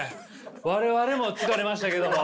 我々も疲れましたけども。